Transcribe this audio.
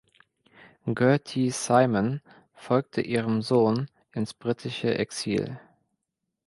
Gerty Simon folgte ihrem Sohn ins britische Exil.